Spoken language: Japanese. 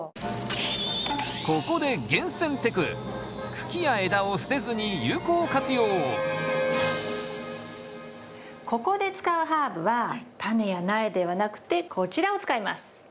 ここでここで使うハーブはタネや苗ではなくてこちらを使います。